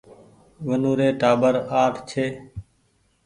ونو ري ٽآٻر اٺ ڇي